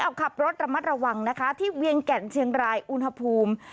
เอาขับรถระมัดระวังนะคะที่เวียงแก่นเชียงรายอุณหภูมิ